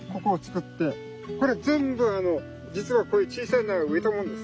これ全部あの実はこういう小さい苗を植えたものです。